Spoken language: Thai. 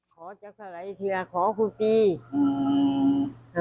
ขอจักรสาหร่ายเทียขอคุณปีอืม